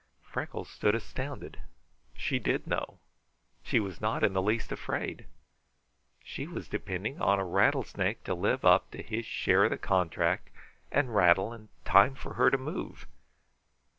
Freckles stood astounded. She did know. She was not in the least afraid. She was depending on a rattlesnake to live up to his share of the contract and rattle in time for her to move.